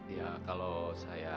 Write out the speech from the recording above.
ya kalau saya